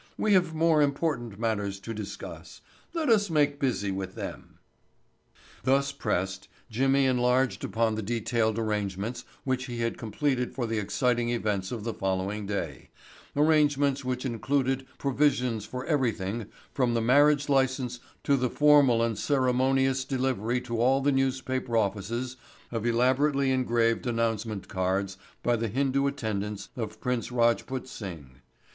We have more important matters to discuss. Let us make busy with them." Thus pressed, Jimmy enlarged upon the detailed arrangements which he had completed for the exciting events of the following day, arrangements which included provisions for everything from the marriage license to the formal and ceremonious delivery to all the newspaper offices of elaborately engraved announcement cards by the Hindu attendants of Prince Rajput Singh.